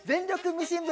ミシン部」